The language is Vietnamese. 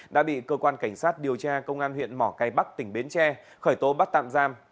đã bị cơ quan cảnh sát điều tra công an huyện mỏ cây bắc tỉnh bến tre khởi tố bắt tạm giam